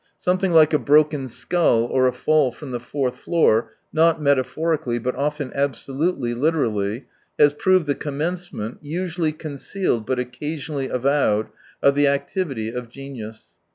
Something like a broken 148 skull or a fall from the fourth floor — not metaphorically, but often absolutely literally — has proved the commencement, usually concealed but occasionally avowed, of the activity of ^genius.